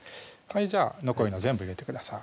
じゃあ残りの全部入れてください